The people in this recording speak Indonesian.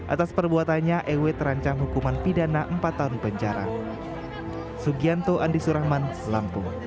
atas perbuatannya ew terancam hukuman pidana empat tahun penjara